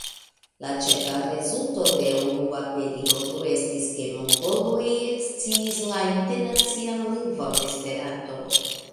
La ĉefa rezulto de unua periodo estis, ke mongoloj eksciis la Internacian lingvon Esperanto.